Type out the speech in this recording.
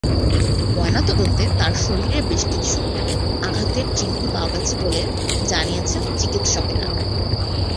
ময়নাতদন্তে তাঁর শরীরে বেশ কিছু আঘাতের চিহ্ন পাওয়া গেছে বলে জানিয়েছেন চিকিৎসকেরা।